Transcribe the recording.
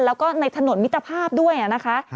แล้วก็ในถนนมิตรภาพด้วยนะคะ